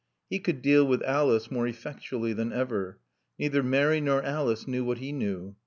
He could deal with Alice more effectually than ever. Neither Mary nor Alice knew what he knew.